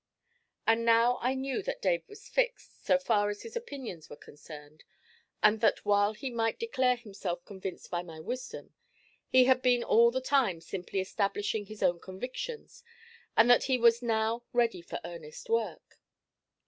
And now I knew that Dave was fixed, so far as his opinions were concerned, and that while he might declare himself convinced by my wisdom, he had been all the time simply establishing his own convictions, and that he was now ready for earnest work.